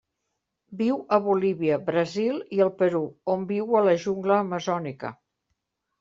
Viu a Bolívia, Brasil i el Perú, on viu a la jungla amazònica.